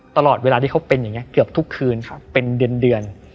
ตลอดเวลาที่เขาเป็นอย่างนี้เกือบทุกคืนเป็นเดือน